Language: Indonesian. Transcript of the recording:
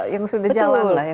yang sudah jalan lah